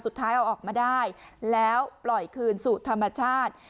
สุดท้ายเอาออกมาได้แล้วปล่อยคืนสู่ธรรมชาติ